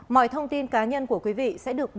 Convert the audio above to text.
mọi thông tin cá nhân của quý vị sẽ được báo